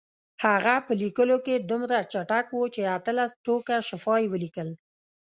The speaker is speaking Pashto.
هغه په لیکلو کې دومره چټک و چې اتلس ټوکه شفا یې ولیکل.